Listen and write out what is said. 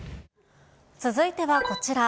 続いてはこちら。